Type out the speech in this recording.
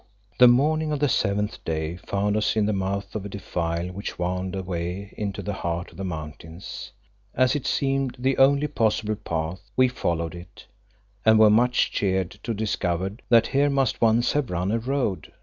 The morning of the seventh day found us in the mouth of a defile which wound away into the heart of the mountains. As it seemed the only possible path, we followed it, and were much cheered to discover that here must once have run a road.